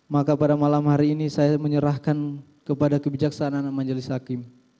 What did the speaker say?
maka pada malam hari ini saya menyerahkan kepada kebijaksanaan majelis hakim